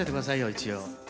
一応。